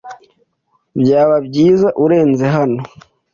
Byaba byiza urenze hano.